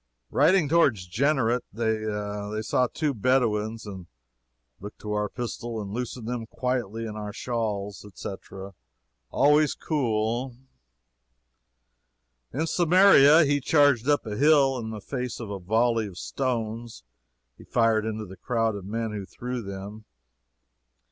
Riding toward Genessaret, they saw two Bedouins, and "we looked to our pistols and loosened them quietly in our shawls," etc. Always cool. In Samaria, he charged up a hill, in the face of a volley of stones; he fired into the crowd of men who threw them.